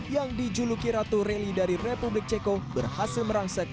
yang dijuluki ratu rally dari republik ceko berhasil merangsek